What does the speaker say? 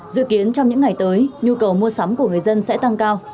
dự kiến trong những ngày tới nhu cầu mua sắm của người dân sẽ tăng cao